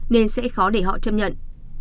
nên sẽ khó để họ chấp nhận